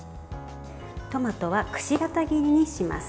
トマトはくし形切りにします。